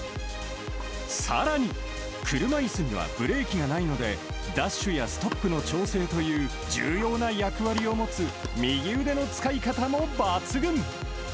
さらに、車いすにはブレーキがないので、ダッシュやストップの調整という重要な役割を持つ右腕の使い方も抜群。